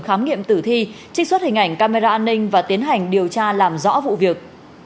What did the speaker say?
khám nghiệm tử thi trích xuất hình ảnh camera an ninh và tiến hành điều tra làm rõ vụ việc